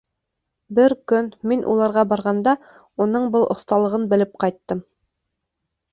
Бер көн мин, уларға барғанда, уның был оҫталығын белеп ҡайттым...